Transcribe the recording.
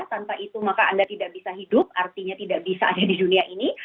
tanpa itu maka anda tidak bisa hidup artinya tidak bisa ada di dunia ini